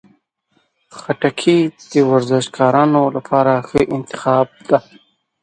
خټکی د ورزشکارانو لپاره ښه انتخاب دی.